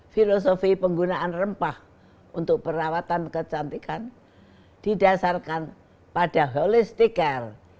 filosofi penggunaan rempah untuk perawatan kecantikan didasarkan pada holistical